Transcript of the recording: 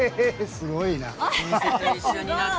すごいな。